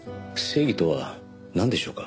正義とはなんでしょうか？